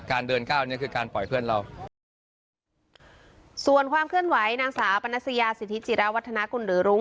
เดินก้าวเนี้ยคือการปล่อยเพื่อนเราส่วนความเคลื่อนไหวนางสาวปนัสยาสิทธิจิราวัฒนากุลหรือรุ้ง